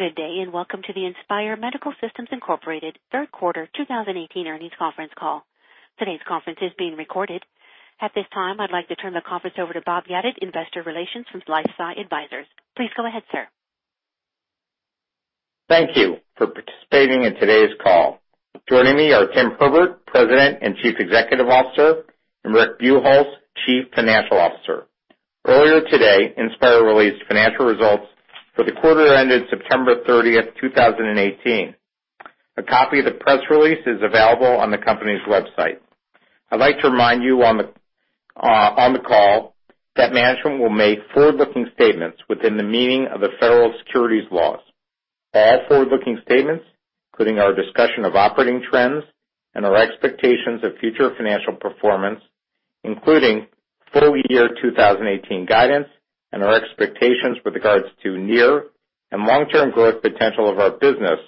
Good day. Welcome to the Inspire Medical Systems Incorporated third quarter 2018 earnings conference call. Today's conference is being recorded. At this time, I'd like to turn the conference over to Bob Yedid, Investor Relations from LifeSci Advisors. Please go ahead, sir. Thank you for participating in today's call. Joining me are Tim Herbert, President and Chief Executive Officer, and Rick Buchholz, Chief Financial Officer. Earlier today, Inspire released financial results for the quarter that ended September 30, 2018. A copy of the press release is available on the company's website. I'd like to remind you on the call that management will make forward-looking statements within the meaning of the federal securities laws. All forward-looking statements, including our discussion of operating trends and our expectations of future financial performance, including full year 2018 guidance and our expectations with regards to near and long-term growth potential of our business,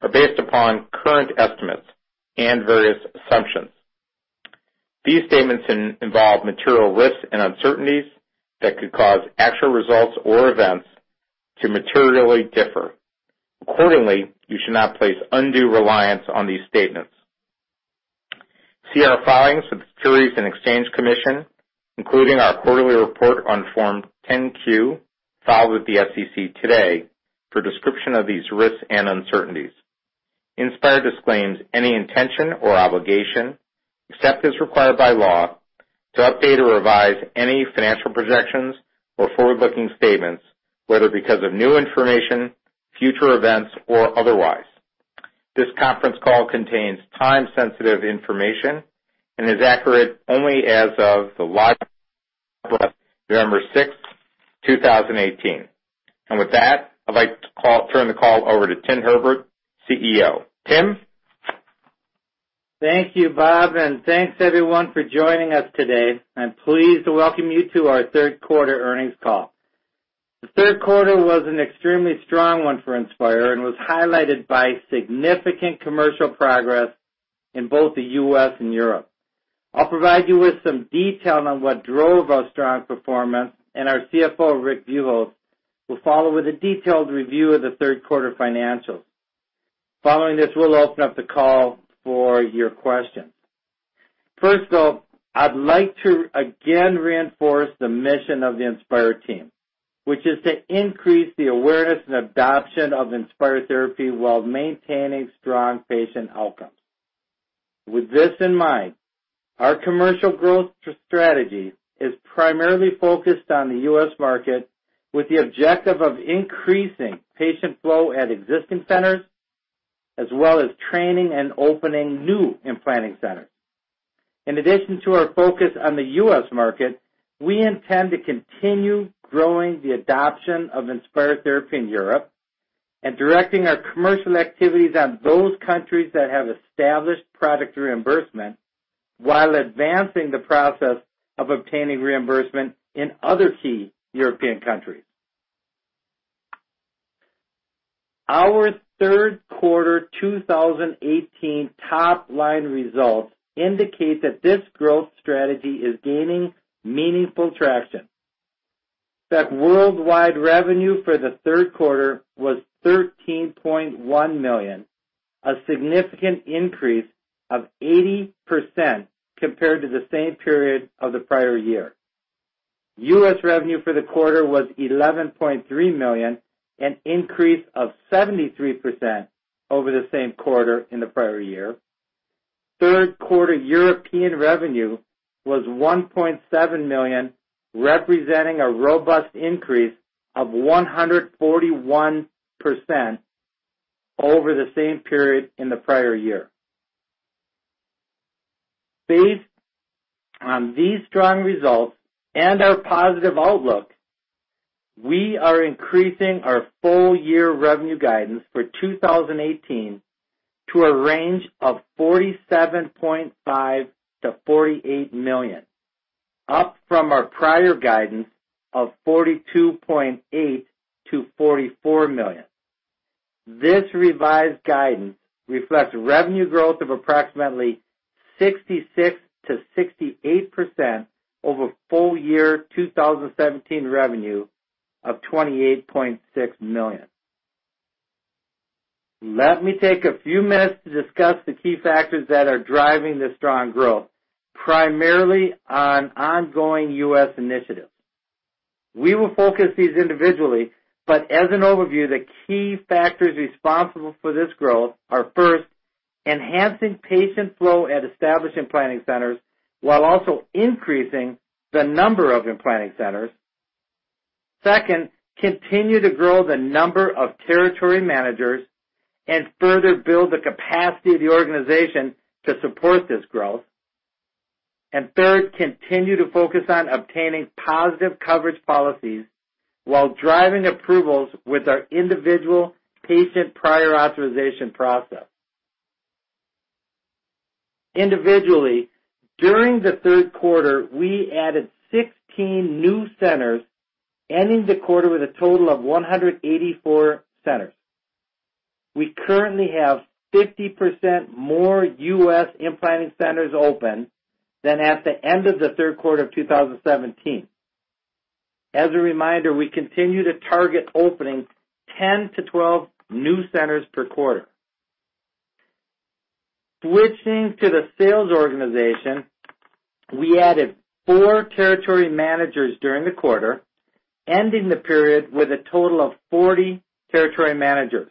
are based upon current estimates and various assumptions. These statements involve material risks and uncertainties that could cause actual results or events to materially differ. Accordingly, you should not place undue reliance on these statements. See our filings with the Securities and Exchange Commission, including our quarterly report on Form 10-Q filed with the SEC today for description of these risks and uncertainties. Inspire disclaims any intention or obligation, except as required by law, to update or revise any financial projections or forward-looking statements, whether because of new information, future events, or otherwise. This conference call contains time-sensitive information and is accurate only as of the last November 6, 2018. With that, I'd like to turn the call over to Tim Herbert, CEO. Tim? Thank you, Bob. Thanks, everyone, for joining us today. I'm pleased to welcome you to our third quarter earnings call. The third quarter was an extremely strong one for Inspire and was highlighted by significant commercial progress in both the U.S. and Europe. I'll provide you with some detail on what drove our strong performance, and our CFO, Rick Buchholz, will follow with a detailed review of the third quarter financials. Following this, we'll open up the call for your questions. First off, I'd like to again reinforce the mission of the Inspire team, which is to increase the awareness and adoption of Inspire therapy while maintaining strong patient outcomes. With this in mind, our commercial growth strategy is primarily focused on the U.S. market with the objective of increasing patient flow at existing centers, as well as training and opening new implanting centers. In addition to our focus on the U.S. market, we intend to continue growing the adoption of Inspire therapy in Europe and directing our commercial activities on those countries that have established product reimbursement while advancing the process of obtaining reimbursement in other key European countries. Our third quarter 2018 top-line results indicate that this growth strategy is gaining meaningful traction. Worldwide revenue for the third quarter was $13.1 million, a significant increase of 80% compared to the same period of the prior year. U.S. revenue for the quarter was $11.3 million, an increase of 73% over the same quarter in the prior year. Third quarter European revenue was $1.7 million, representing a robust increase of 141% over the same period in the prior year. Based on these strong results and our positive outlook, we are increasing our full year revenue guidance for 2018 to a range of $47.5 million-$48 million, up from our prior guidance of $42.8 million-$44 million. This revised guidance reflects revenue growth of approximately 66%-68% over full year 2017 revenue of $28.6 million. Let me take a few minutes to discuss the key factors that are driving the strong growth, primarily on ongoing U.S. initiatives. We will focus these individually, but as an overview, the key factors responsible for this growth are, first, enhancing patient flow at established implanting centers while also increasing the number of implanting centers. Second, continue to grow the number of Territory Managers and further build the capacity of the organization to support this growth. Third, continue to focus on obtaining positive coverage policies while driving approvals with our individual patient prior authorization process. Individually, during the third quarter, we added 16 new centers, ending the quarter with a total of 184 centers. We currently have 50% more U.S. implanting centers open than at the end of the third quarter of 2017. As a reminder, we continue to target opening 10 to 12 new centers per quarter. Switching to the sales organization, we added four Territory Managers during the quarter, ending the period with a total of 40 Territory Managers.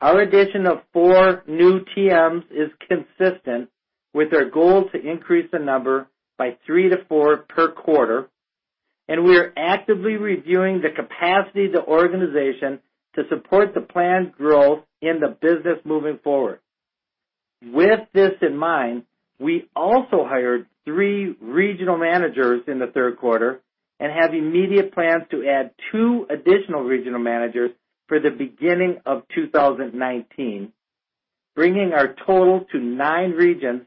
Our addition of four new TMs is consistent with our goal to increase the number by three to four per quarter, and we are actively reviewing the capacity of the organization to support the planned growth in the business moving forward. With this in mind, we also hired three regional managers in the third quarter and have immediate plans to add two additional regional managers for the beginning of 2019, bringing our total to nine regions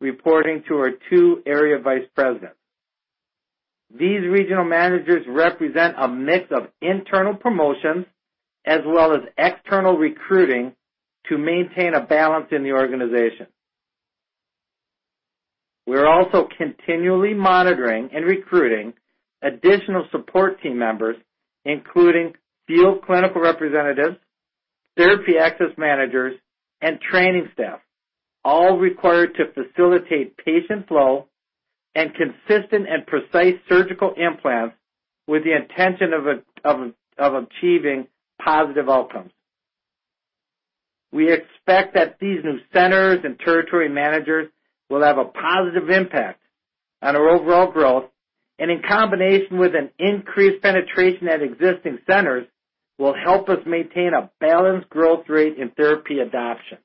reporting to our two area vice presidents. These regional managers represent a mix of internal promotions as well as external recruiting to maintain a balance in the organization. We're also continually monitoring and recruiting additional support team members, including field clinical representatives, therapy access managers, and training staff, all required to facilitate patient flow and consistent and precise surgical implants with the intention of achieving positive outcomes. We expect that these new centers and Territory Managers will have a positive impact on our overall growth and, in combination with an increased penetration at existing centers, will help us maintain a balanced growth rate in therapy adoption.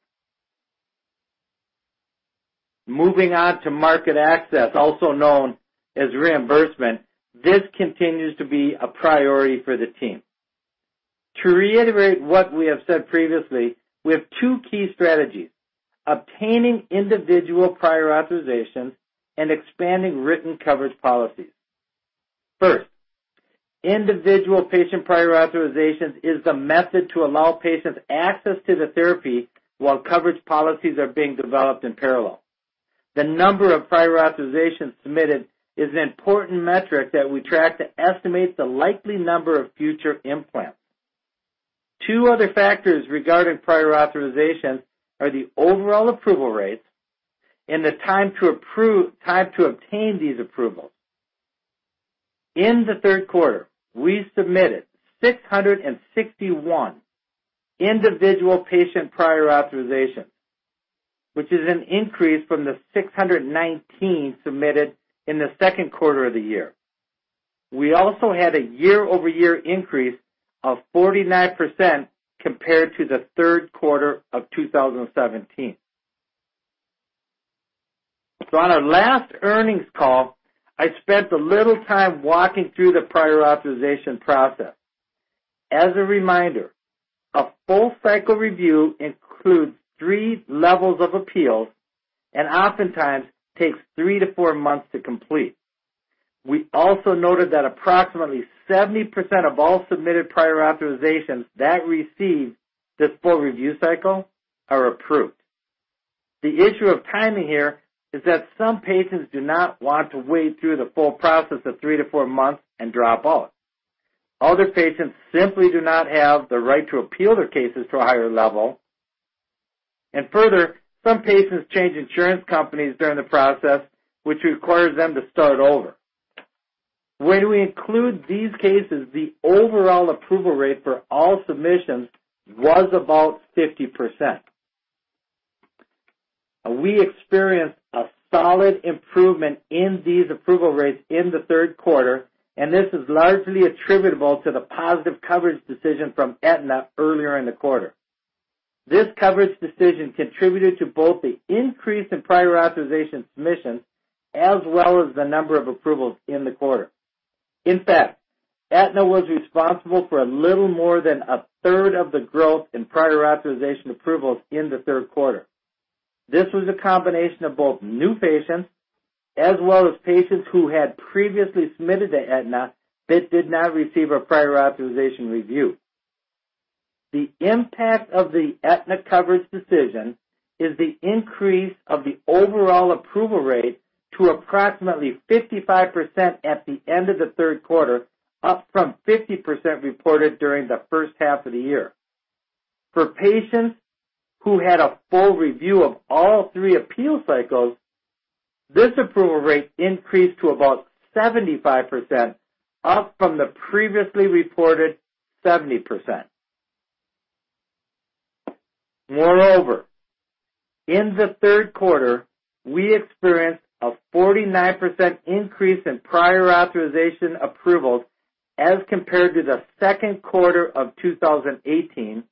Moving on to market access, also known as reimbursement. This continues to be a priority for the team. To reiterate what we have said previously, we have two key strategies: obtaining individual prior authorizations and expanding written coverage policies. First, individual patient prior authorizations is the method to allow patients access to the therapy while coverage policies are being developed in parallel. The number of prior authorizations submitted is an important metric that we track to estimate the likely number of future implants. Two other factors regarding prior authorizations are the overall approval rates and the time to obtain these approvals. In the third quarter, we submitted 661 individual patient prior authorizations, which is an increase from the 619 submitted in the second quarter of the year. We also had a year-over-year increase of 49% compared to the third quarter of 2017. On our last earnings call, I spent a little time walking through the prior authorization process. As a reminder, a full cycle review includes 3 levels of appeals and oftentimes takes three to four months to complete. We also noted that approximately 70% of all submitted prior authorizations that receive this full review cycle are approved. The issue of timing here is that some patients do not want to wait through the full process of three to four months and drop out. Other patients simply do not have the right to appeal their cases to a higher level. Further, some patients change insurance companies during the process, which requires them to start over. When we include these cases, the overall approval rate for all submissions was about 50%. We experienced a solid improvement in these approval rates in the third quarter, and this is largely attributable to the positive coverage decision from Aetna earlier in the quarter. This coverage decision contributed to both the increase in prior authorization submissions as well as the number of approvals in the quarter. In fact, Aetna was responsible for a little more than a third of the growth in prior authorization approvals in the third quarter. This was a combination of both new patients as well as patients who had previously submitted to Aetna but did not receive a prior authorization review. The impact of the Aetna coverage decision is the increase of the overall approval rate to approximately 55% at the end of the third quarter, up from 50% reported during the first half of the year. For patients who had a full review of all 3 appeal cycles, this approval rate increased to about 75%, up from the previously reported 70%. Moreover, in the third quarter, we experienced a 49% increase in prior authorization approvals as compared to the second quarter of 2018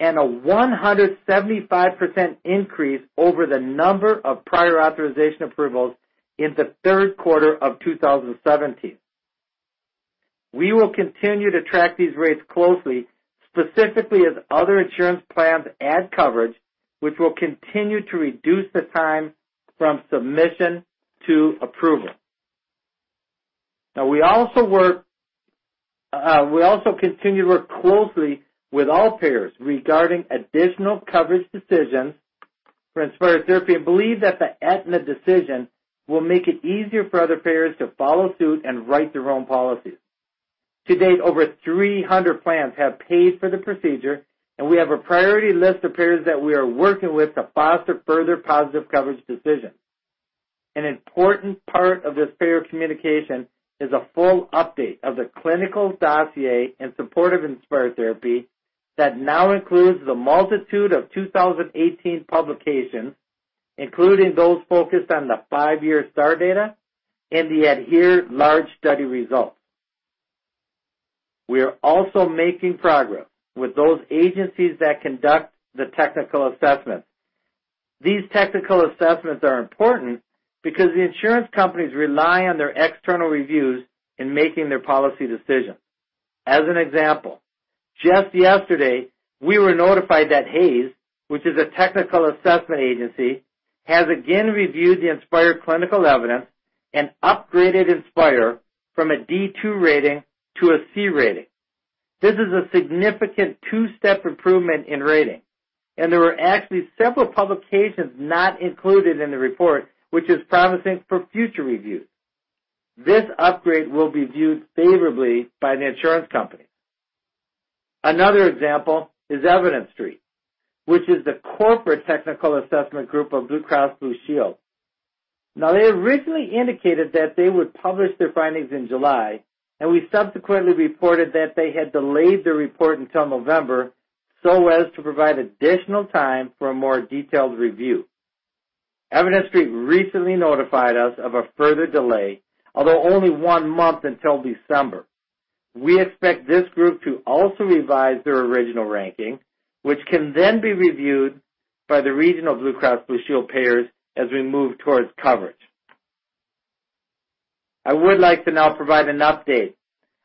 and a 175% increase over the number of prior authorization approvals in the third quarter of 2017. We will continue to track these rates closely, specifically as other insurance plans add coverage, which will continue to reduce the time from submission to approval. We also continue to work closely with all payers regarding additional coverage decisions for Inspire therapy and believe that the Aetna decision will make it easier for other payers to follow suit and write their own policies. To date, over 300 plans have paid for the procedure, and we have a priority list of payers that we are working with to foster further positive coverage decisions. An important part of this payer communication is a full update of the clinical dossier in support of Inspire therapy that now includes the multitude of 2018 publications, including those focused on the five-year STAR data and the ADHERE large study results. We are also making progress with those agencies that conduct the technical assessment. These technical assessments are important because the insurance companies rely on their external reviews in making their policy decisions. As an example, just yesterday, we were notified that Hayes, which is a technical assessment agency, has again reviewed the Inspire clinical evidence and upgraded Inspire from a D2 rating to a C rating. This is a significant two-step improvement in rating. There were actually several publications not included in the report, which is promising for future reviews. This upgrade will be viewed favorably by the insurance company. Another example is Evidence Street, which is the corporate technical assessment group of Blue Cross Blue Shield. They originally indicated that they would publish their findings in July. We subsequently reported that they had delayed the report until November so as to provide additional time for a more detailed review. Evidence Street recently notified us of a further delay, although only one month until December. We expect this group to also revise their original ranking, which can then be reviewed by the regional Blue Cross Blue Shield payers as we move towards coverage. I would like to now provide an update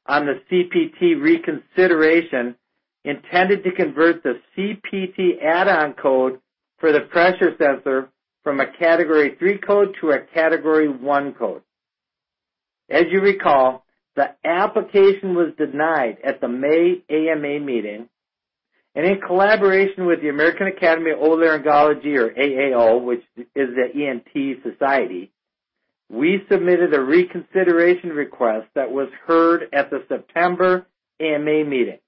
on the CPT reconsideration intended to convert the CPT add-on code for the pressure sensor from a Category 3 code to a Category 1 code. As you recall, the application was denied at the May AMA meeting. In collaboration with the American Academy of Otolaryngology, or AAO, which is the ENT society, we submitted a reconsideration request that was heard at the September AMA meeting.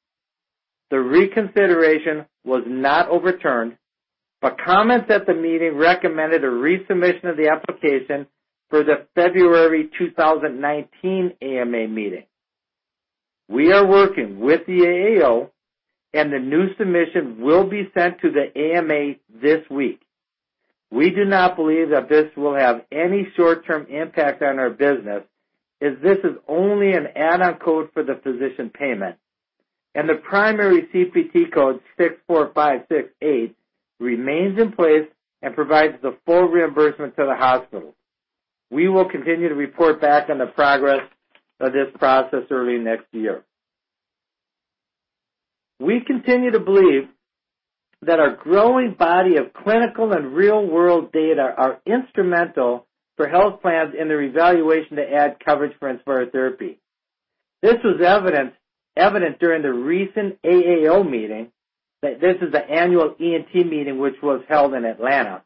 The reconsideration was not overturned, but comments at the meeting recommended a resubmission of the application for the February 2019 AMA meeting. We are working with the AAO, and the new submission will be sent to the AMA this week. We do not believe that this will have any short-term impact on our business, as this is only an add-on code for the physician payment. The primary CPT code, 64568, remains in place and provides the full reimbursement to the hospital. We will continue to report back on the progress of this process early next year. We continue to believe that our growing body of clinical and real-world data are instrumental for health plans in their evaluation to add coverage for Inspire therapy. This was evident during the recent AAO meeting that this is the annual ENT meeting, which was held in Atlanta.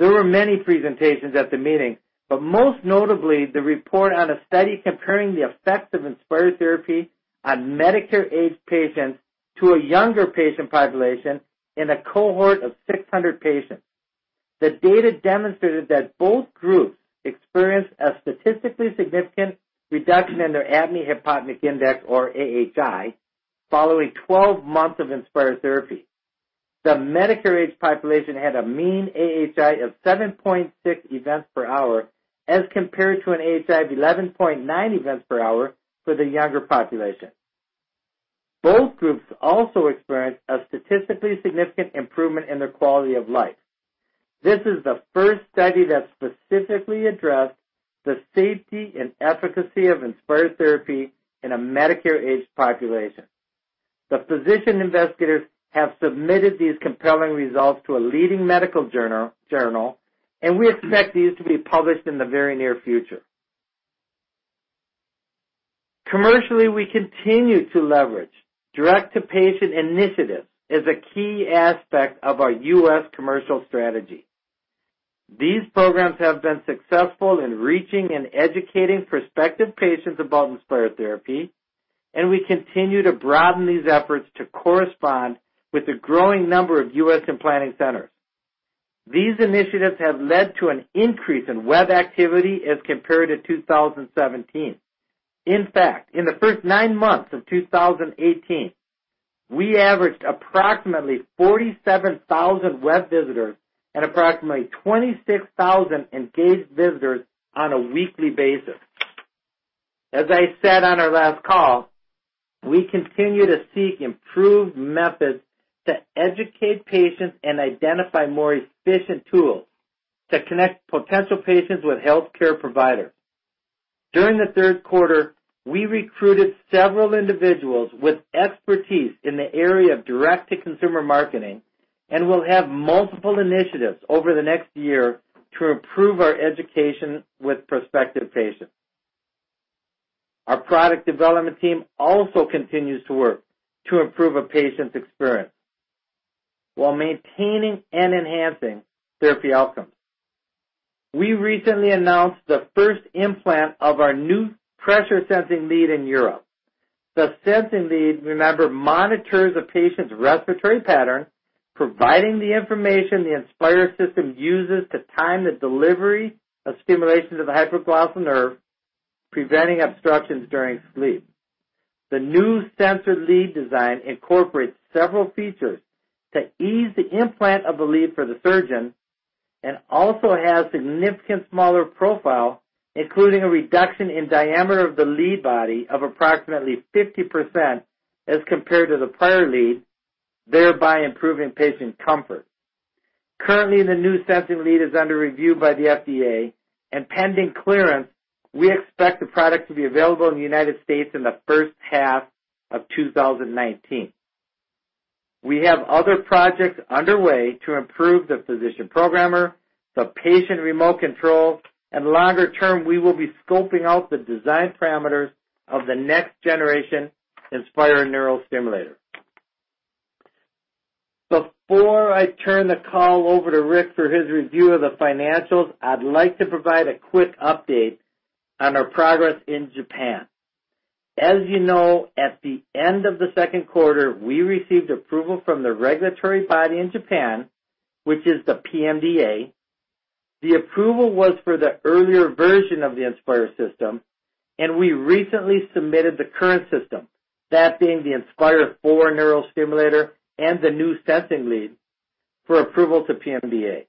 There were many presentations at the meeting, most notably, the report on a study comparing the effects of Inspire therapy on Medicare-aged patients to a younger patient population in a cohort of 600 patients. The data demonstrated that both groups experienced a statistically significant reduction in their apnea-hypopnea index, or AHI, following 12 months of Inspire therapy. The Medicare-aged population had a mean AHI of 7.6 events per hour, as compared to an AHI of 11.9 events per hour for the younger population. Both groups also experienced a statistically significant improvement in their quality of life. This is the first study that specifically addressed the safety and efficacy of Inspire therapy in a Medicare-aged population. The physician investigators have submitted these compelling results to a leading medical journal. We expect these to be published in the very near future. Commercially, we continue to leverage direct-to-patient initiatives as a key aspect of our U.S. commercial strategy. These programs have been successful in reaching and educating prospective patients about Inspire therapy, and we continue to broaden these efforts to correspond with the growing number of U.S. implanting centers. These initiatives have led to an increase in web activity as compared to 2017. In the first nine months of 2018, we averaged approximately 47,000 web visitors and approximately 26,000 engaged visitors on a weekly basis. As I said on our last call, we continue to seek improved methods to educate patients and identify more efficient tools to connect potential patients with healthcare providers. During the third quarter, we recruited several individuals with expertise in the area of direct-to-consumer marketing. We'll have multiple initiatives over the next year to improve our education with prospective patients. Our product development team also continues to work to improve a patient's experience while maintaining and enhancing therapy outcomes. We recently announced the first implant of our new pressure-sensing lead in Europe. The sensing lead, remember, monitors a patient's respiratory pattern, providing the information the Inspire system uses to time the delivery of stimulation to the hypoglossal nerve, preventing obstructions during sleep. The new sensor lead design incorporates several features to ease the implant of the lead for the surgeon and also has a significantly smaller profile, including a reduction in diameter of the lead body of approximately 50% as compared to the prior lead, thereby improving patient comfort. Currently, the new sensing lead is under review by the FDA. Pending clearance, we expect the product to be available in the United States in the first half of 2019. We have other projects underway to improve the physician programmer, the patient remote control. Longer-term, we will be scoping out the design parameters of the next generation Inspire neurostimulator. Before I turn the call over to Rick for his review of the financials, I'd like to provide a quick update on our progress in Japan. As you know, at the end of the second quarter, we received approval from the regulatory body in Japan, which is the PMDA. The approval was for the earlier version of the Inspire system. We recently submitted the current system, that being the Inspire 4 neurostimulator and the new sensing lead, for approval to PMDA.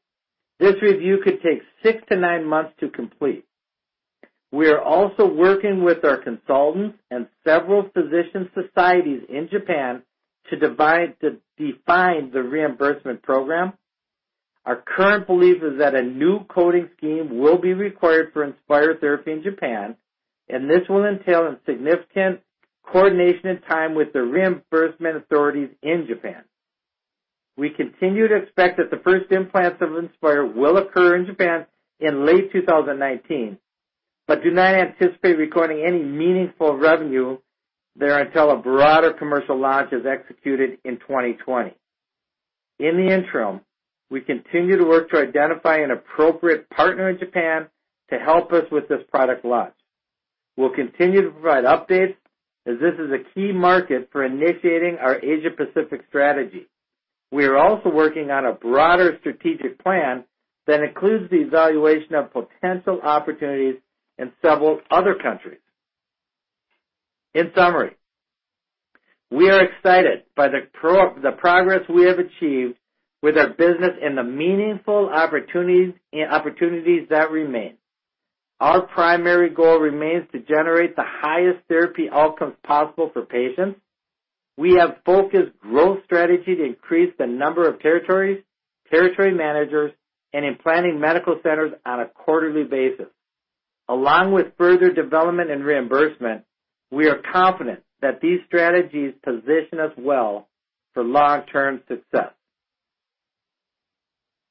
This review could take six to nine months to complete. We are also working with our consultants and several physician societies in Japan to define the reimbursement program. Our current belief is that a new coding scheme will be required for Inspire therapy in Japan. This will entail significant coordination and time with the reimbursement authorities in Japan. We continue to expect that the first implants of Inspire will occur in Japan in late 2019. We do not anticipate recording any meaningful revenue there until a broader commercial launch is executed in 2020. In the interim, we continue to work to identify an appropriate partner in Japan to help us with this product launch. We'll continue to provide updates as this is a key market for initiating our Asia Pacific strategy. We are also working on a broader strategic plan that includes the evaluation of potential opportunities in several other countries. In summary, we are excited by the progress we have achieved with our business and the meaningful opportunities that remain. Our primary goal remains to generate the highest therapy outcomes possible for patients. We have focused growth strategy to increase the number of territories, Territory Managers, and implanting medical centers on a quarterly basis. Along with further development and reimbursement, we are confident that these strategies position us well for long-term success.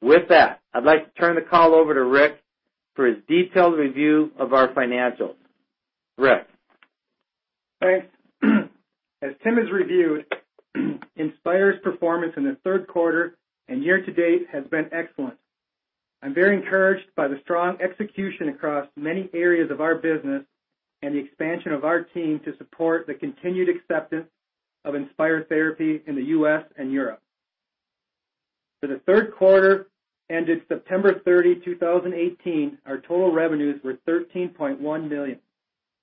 With that, I'd like to turn the call over to Rick for his detailed review of our financials. Rick? Thanks. As Tim has reviewed, Inspire's performance in the third quarter and year-to-date has been excellent. I'm very encouraged by the strong execution across many areas of our business and the expansion of our team to support the continued acceptance of Inspire therapy in the U.S. and Europe. For the third quarter ended September 30, 2018, our total revenues were $13.1 million,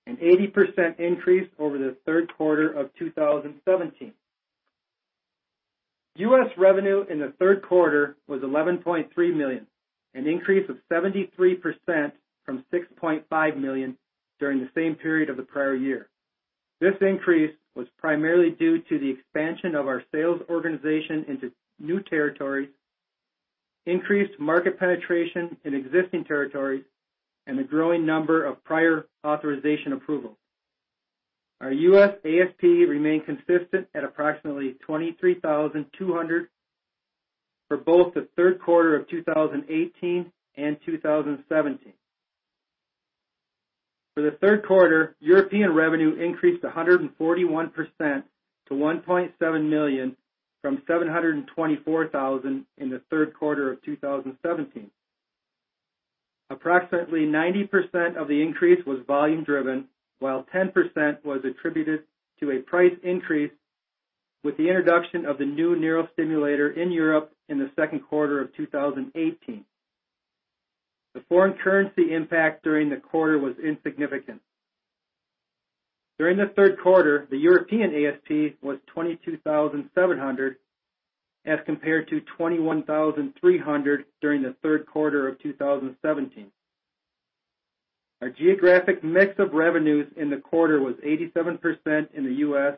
an 80% increase over the third quarter of 2017. U.S. revenue in the third quarter was $11.3 million, an increase of 73% from $6.5 million during the same period of the prior year. This increase was primarily due to the expansion of our sales organization into new territories, increased market penetration in existing territories, and a growing number of prior authorization approvals. Our U.S. ASP remained consistent at approximately $23,200 for both the third quarter of 2018 and 2017. For the third quarter, European revenue increased 141% to $1.7 million from $724,000 in the third quarter of 2017. Approximately 90% of the increase was volume driven, while 10% was attributed to a price increase with the introduction of the new neurostimulator in Europe in the second quarter of 2018. The foreign currency impact during the quarter was insignificant. During the third quarter, the European ASP was $22,700 as compared to $21,300 during the third quarter of 2017. Our geographic mix of revenues in the quarter was 87% in the U.S.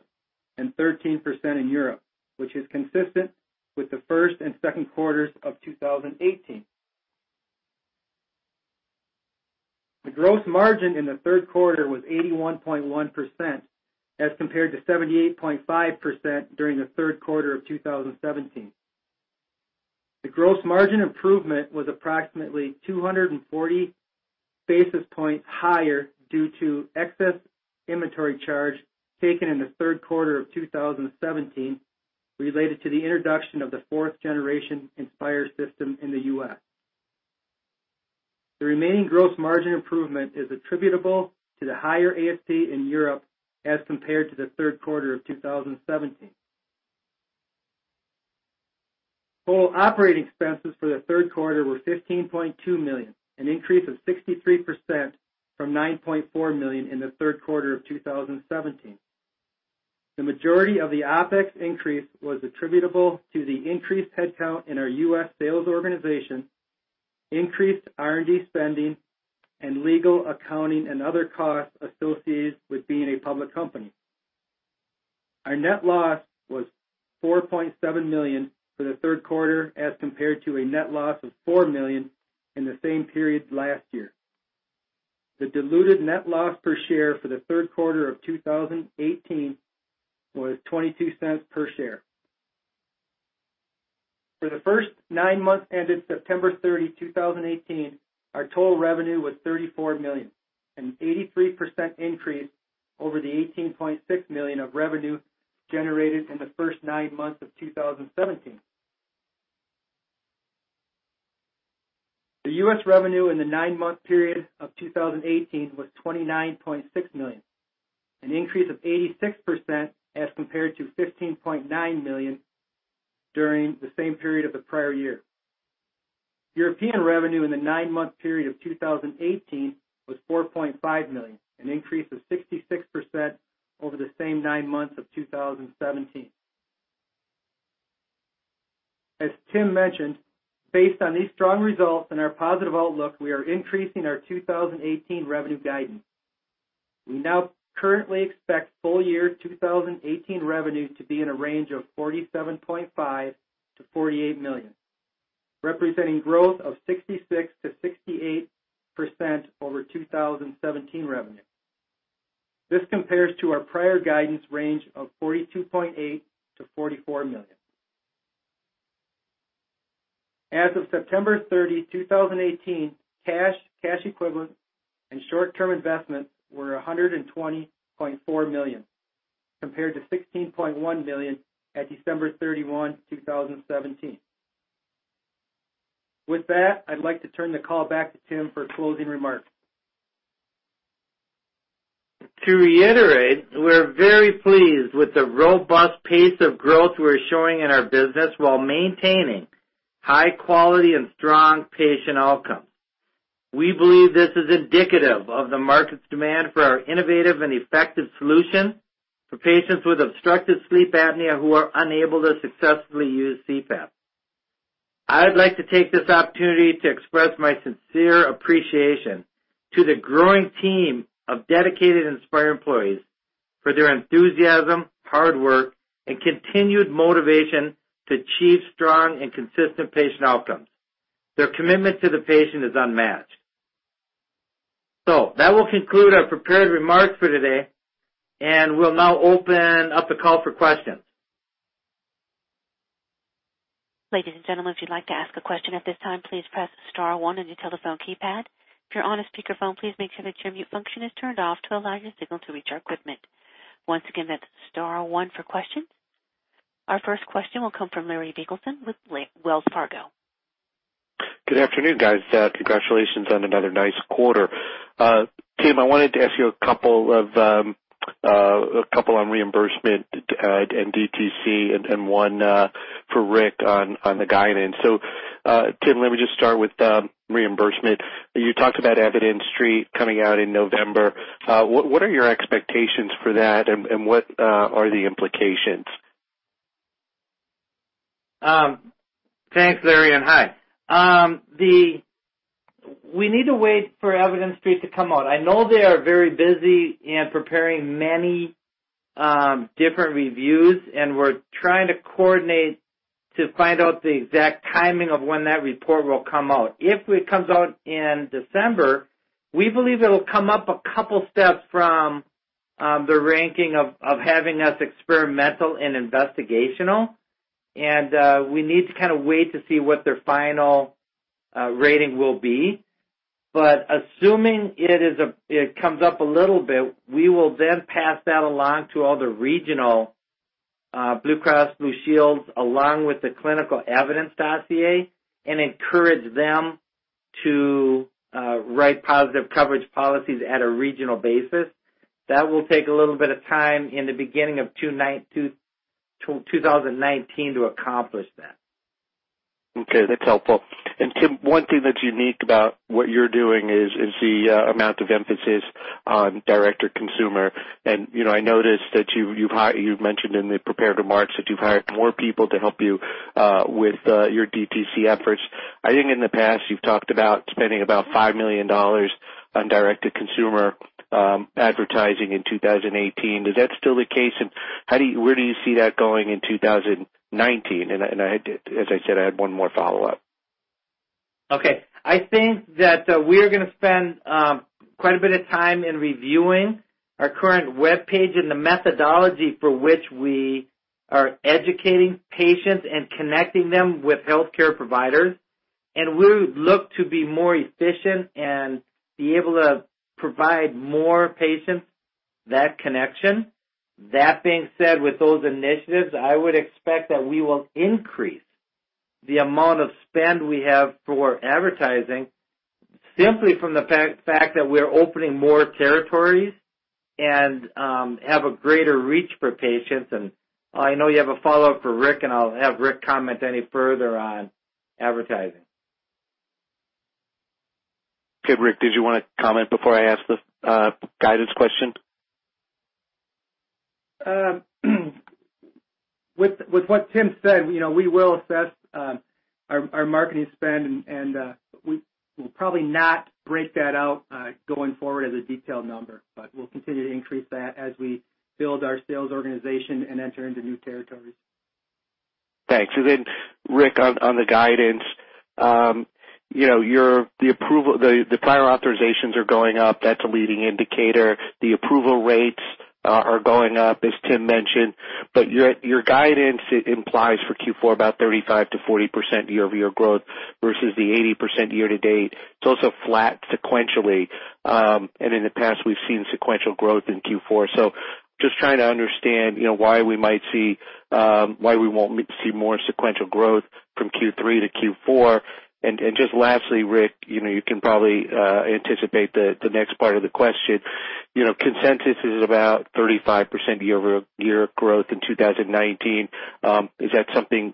and 13% in Europe, which is consistent with the first and second quarters of 2018. The gross margin in the third quarter was 81.1%, as compared to 78.5% during the third quarter of 2017. The gross margin improvement was approximately 240 basis points higher due to excess inventory charge taken in the third quarter of 2017 related to the introduction of the fourth generation Inspire system in the U.S. The remaining gross margin improvement is attributable to the higher ASP in Europe as compared to the third quarter of 2017. Total operating expenses for the third quarter were $15.2 million, an increase of 63% from $9.4 million in the third quarter of 2017. The majority of the OpEx increase was attributable to the increased headcount in our U.S. sales organization, increased R&D spending, and legal, accounting, and other costs associated with being a public company. Our net loss was $4.7 million for the third quarter, as compared to a net loss of $4 million in the same period last year. The diluted net loss per share for the third quarter of 2018 was $0.22 per share. For the first nine months ended September 30, 2018, our total revenue was $34 million, an 83% increase over the $18.6 million of revenue generated in the first nine months of 2017. The U.S. revenue in the nine-month period of 2018 was $29.6 million, an increase of 86% as compared to $15.9 million during the same period of the prior year. European revenue in the nine-month period of 2018 was $4.5 million, an increase of 66% over the same nine months of 2017. As Tim mentioned, based on these strong results and our positive outlook, we are increasing our 2018 revenue guidance. We now currently expect full year 2018 revenue to be in a range of $47.5 million-$48 million, representing growth of 66%-68% over 2017 revenue. This compares to our prior guidance range of $42.8 million-$44 million. As of September 30, 2018, cash equivalents, and short-term investments were $120.4 million, compared to $16.1 million at December 31, 2017. With that, I'd like to turn the call back to Tim for closing remarks. To reiterate, we're very pleased with the robust pace of growth we're showing in our business while maintaining high quality and strong patient outcomes. We believe this is indicative of the market's demand for our innovative and effective solution for patients with obstructive sleep apnea who are unable to successfully use CPAP. I would like to take this opportunity to express my sincere appreciation to the growing team of dedicated Inspire employees for their enthusiasm, hard work, and continued motivation to achieve strong and consistent patient outcomes. Their commitment to the patient is unmatched. That will conclude our prepared remarks for today, and we'll now open up the call for questions. Ladies and gentlemen, if you'd like to ask a question at this time, please press star one on your telephone keypad. If you're on a speakerphone, please make sure that your mute function is turned off to allow your signal to reach our equipment. Once again, that's star one for questions. Our first question will come from Larry Biegelsen with Wells Fargo. Good afternoon, guys. Congratulations on another nice quarter. Tim, I wanted to ask you a couple on reimbursement and DTC and one for Rick on the guidance. Tim, let me just start with reimbursement. You talked about Evidence Street coming out in November. What are your expectations for that, and what are the implications? Thanks, Larry, and hi. We need to wait for Evidence Street to come out. I know they are very busy in preparing many different reviews, and we're trying to coordinate to find out the exact timing of when that report will come out. If it comes out in December, we believe it'll come up a couple steps from the ranking of having us experimental and investigational, and we need to kind of wait to see what their final rating will be. Assuming it comes up a little bit, we will then pass that along to all the regional Blue Cross Blue Shields, along with the clinical evidence dossier, and encourage them to write positive coverage policies at a regional basis. That will take a little bit of time in the beginning of 2019 to accomplish that. Okay, that's helpful. Tim, one thing that's unique about what you're doing is the amount of emphasis on direct-to-consumer, and I noticed that you've mentioned in the prepared remarks that you've hired more people to help you with your DTC efforts. I think in the past you've talked about spending about $5 million on direct-to-consumer advertising in 2018. Is that still the case? Where do you see that going in 2019? As I said, I had one more follow-up. Okay. I think that we're going to spend quite a bit of time in reviewing our current webpage and the methodology for which we are educating patients and connecting them with healthcare providers. We would look to be more efficient and be able to provide more patients that connection. That being said, with those initiatives, I would expect that we will increase the amount of spend we have for advertising simply from the fact that we're opening more territories and have a greater reach for patients. I know you have a follow-up for Rick, and I'll have Rick comment any further on advertising. Okay. Rick, did you want to comment before I ask the guidance question? With what Tim said, we will assess our marketing spend, we'll probably not break that out going forward as a detailed number. We'll continue to increase that as we build our sales organization and enter into new territories. Thanks. Rick, on the guidance, the prior authorizations are going up. That's a leading indicator. The approval rates are going up, as Tim mentioned. Your guidance, it implies for Q4 about 35%-40% year-over-year growth versus the 80% year-to-date. It's also flat sequentially. In the past, we've seen sequential growth in Q4. Just trying to understand why we won't see more sequential growth from Q3 to Q4. Lastly, Rick, you can probably anticipate the next part of the question. Consensus is about 35% year-over-year growth in 2019. Is that something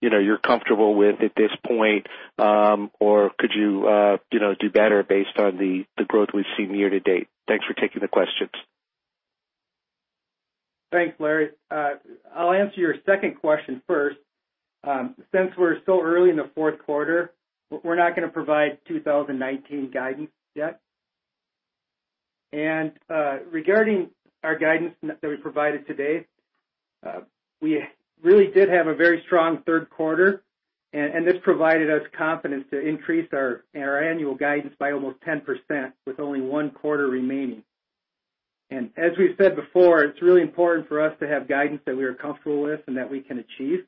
you're comfortable with at this point? Could you do better based on the growth we've seen year-to-date? Thanks for taking the questions. Thanks, Larry. I'll answer your second question first. Since we're still early in the fourth quarter, we're not going to provide 2019 guidance yet. Regarding our guidance that we provided today, we really did have a very strong third quarter, and this provided us confidence to increase our annual guidance by almost 10% with only one quarter remaining. As we've said before, it's really important for us to have guidance that we are comfortable with and that we can achieve.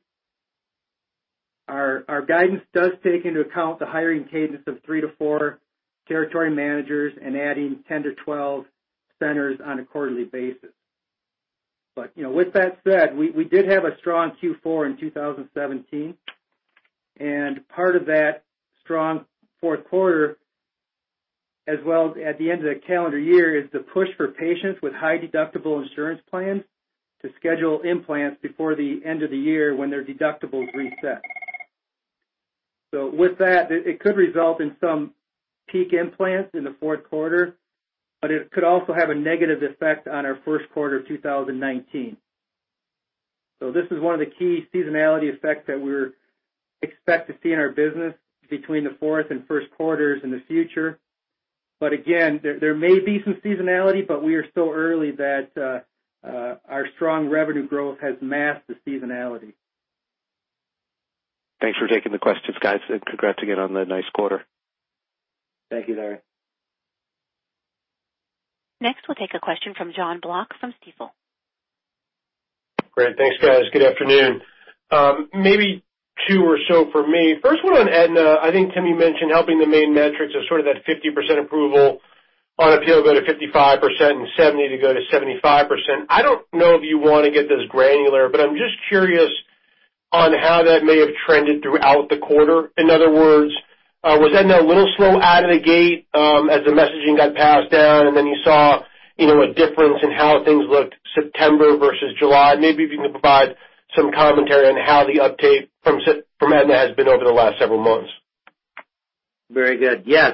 Our guidance does take into account the hiring cadence of three to four Territory Managers and adding 10 to 12 centers on a quarterly basis. With that said, we did have a strong Q4 in 2017. Part of that strong fourth quarter, as well as at the end of the calendar year, is the push for patients with high deductible insurance plans to schedule implants before the end of the year when their deductibles reset. With that, it could result in some peak implants in the fourth quarter, but it could also have a negative effect on our first quarter of 2019. This is one of the key seasonality effects that we expect to see in our business between the fourth and first quarters in the future. Again, there may be some seasonality, but we are still early that our strong revenue growth has masked the seasonality. Thanks for taking the questions, guys, and congrats again on the nice quarter. Thank you, Larry. Next, we'll take a question from Jon Block from Stifel. Great. Thanks, guys. Good afternoon. Maybe two or so from me. First one on Aetna. I think, Tim, you mentioned helping the main metrics of sort of that 50% approval on appeal go to 55% and 70% to go to 75%. I don't know if you want to get this granular, but I'm just curious on how that may have trended throughout the quarter. In other words, was Aetna a little slow out of the gate as the messaging got passed down and then you saw a difference in how things looked September versus July? Maybe if you can provide some commentary on how the uptake from Aetna has been over the last several months. Very good. Yes.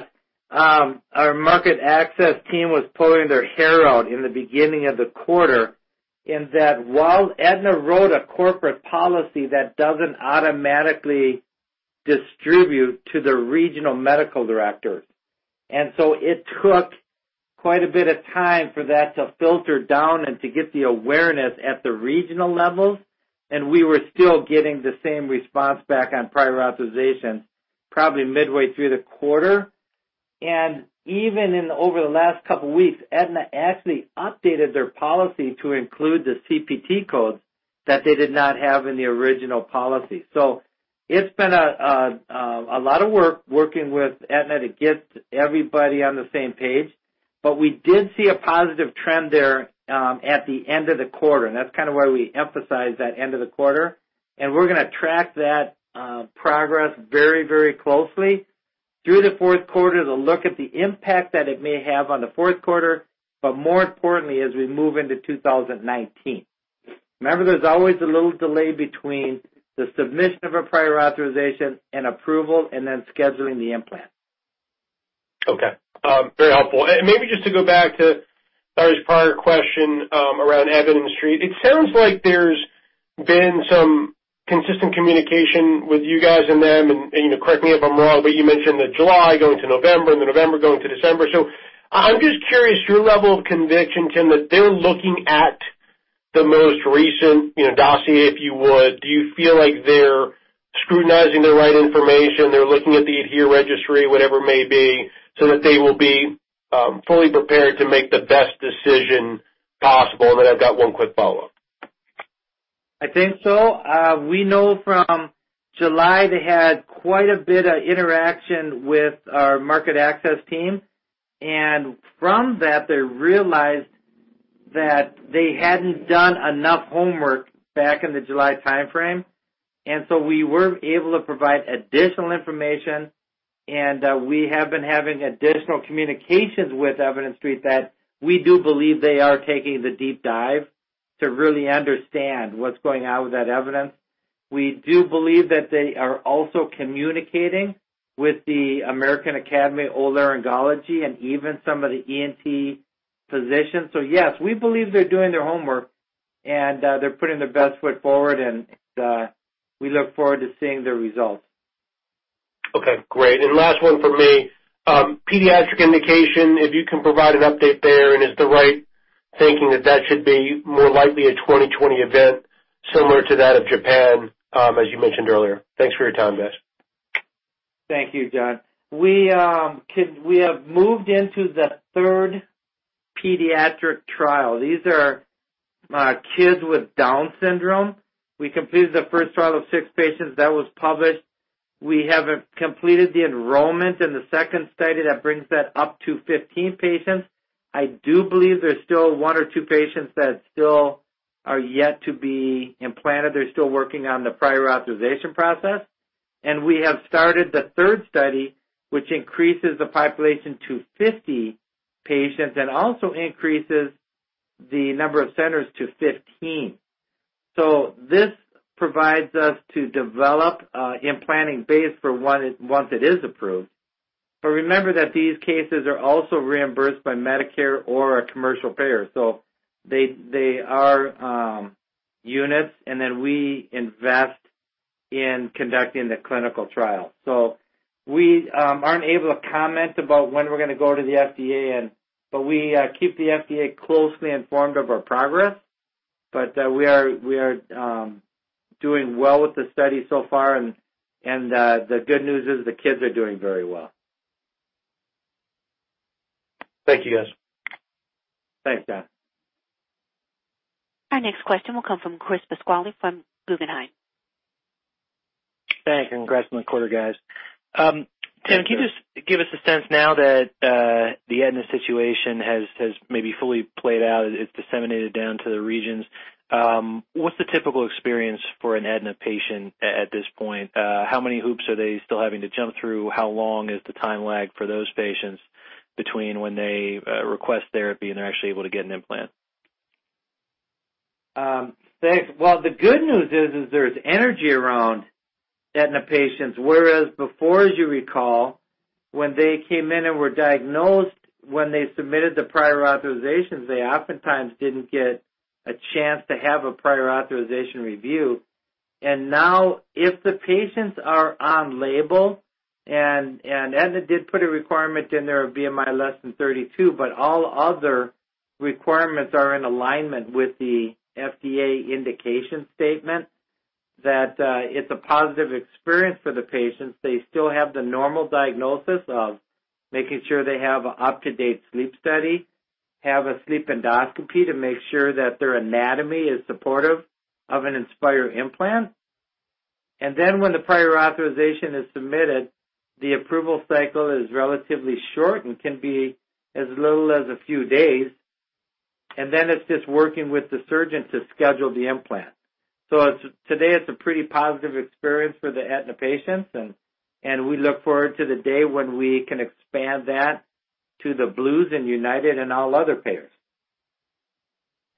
Our market access team was pulling their hair out in the beginning of the quarter in that while Aetna wrote a corporate policy that doesn't automatically distribute to the regional medical director. It took quite a bit of time for that to filter down and to get the awareness at the regional levels, and we were still getting the same response back on prior authorization probably midway through the quarter. Even over the last couple of weeks, Aetna actually updated their policy to include the CPT codes that they did not have in the original policy. It's been a lot of work working with Aetna to get everybody on the same page. We did see a positive trend there at the end of the quarter, and that's kind of why we emphasize that end of the quarter. We're going to track that progress very closely through the fourth quarter to look at the impact that it may have on the fourth quarter, but more importantly, as we move into 2019. Remember, there's always a little delay between the submission of a prior authorization and approval and then scheduling the implant. Okay. Very helpful. Maybe just to go back to a prior question around Evidence Street, it sounds like there's been some consistent communication with you guys and them. Correct me if I'm wrong, but you mentioned the July going to November, and the November going to December. I'm just curious, your level of conviction, Tim, that they're looking at the most recent dossier, if you would. Do you feel like they're scrutinizing the right information, they're looking at the ADHERE registry, whatever it may be, so that they will be fully prepared to make the best decision possible? Then I've got one quick follow-up. I think so. We know from July they had quite a bit of interaction with our market access team. From that, they realized that they hadn't done enough homework back in the July timeframe. We were able to provide additional information, and we have been having additional communications with Evidence Street that we do believe they are taking the deep dive to really understand what's going on with that evidence. We do believe that they are also communicating with the American Academy of Otolaryngology and even some of the ENT physicians. Yes, we believe they're doing their homework and they're putting their best foot forward, and we look forward to seeing the results. Okay, great. Last one from me. Pediatric indication, if you can provide an update there, is the right thinking that that should be more likely a 2020 event similar to that of Japan, as you mentioned earlier. Thanks for your time, guys. Thank you, Jon. We have moved into the third pediatric trial. These are kids with Down syndrome. We completed the first trial of six patients. That was published. We have completed the enrollment in the second study. That brings that up to 15 patients. I do believe there's still one or two patients that still are yet to be implanted. They're still working on the prior authorization process. We have started the third study, which increases the population to 50 patients and also increases the number of centers to 15. This provides us to develop implanting base for once it is approved. Remember that these cases are also reimbursed by Medicare or a commercial payer. They are units, and then we invest in conducting the clinical trial. We aren't able to comment about when we're going to go to the FDA, but we keep the FDA closely informed of our progress. We are doing well with the study so far, and the good news is the kids are doing very well. Thank you, guys. Thanks, Jon. Our next question will come from Chris Pasquale from Guggenheim. Thanks, congrats on the quarter, guys. Thank you. Tim, can you just give us a sense now that the Aetna situation has maybe fully played out, it's disseminated down to the regions? What's the typical experience for an Aetna patient at this point? How many hoops are they still having to jump through? How long is the time lag for those patients between when they request therapy and they're actually able to get an implant? Thanks. The good news is there's energy around Aetna patients, whereas before, as you recall, when they came in and were diagnosed, when they submitted the prior authorizations, they oftentimes didn't get a chance to have a prior authorization review. Now, if the patients are on label, and Aetna did put a requirement in there of BMI less than 32, but all other requirements are in alignment with the FDA indication statement that it's a positive experience for the patients. They still have the normal diagnosis of making sure they have an up-to-date sleep study, have a sleep endoscopy to make sure that their anatomy is supportive of an Inspire implant. Then when the prior authorization is submitted, the approval cycle is relatively short and can be as little as a few days, and then it's just working with the surgeon to schedule the implant. Today, it's a pretty positive experience for the Aetna patients, and we look forward to the day when we can expand that to the Blues and United and all other payers.